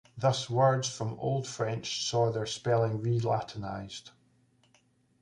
Thus words from Old French saw their spelling re-Latinized.